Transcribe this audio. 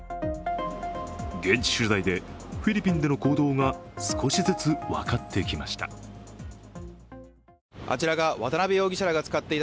現地取材でフィリピンでの行動が少しずつ分かってきました。